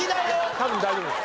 多分大丈夫です。